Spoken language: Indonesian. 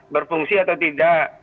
berfungsi atau tidak